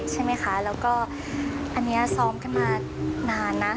ใช่ไหมคะแล้วก็อันนี้ซ้อมกันมานานนะ